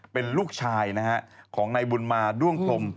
เป็นลูกชายนะฮะของนายบุญมาด้วงพรม